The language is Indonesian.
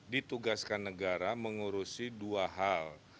ditugaskan negara mengurusi dua hal